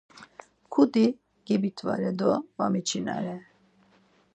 Kudi gebitvare do var miçinare.